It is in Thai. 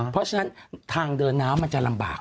เพราะฉะนั้นทางเดินน้ำมันจะลำบาก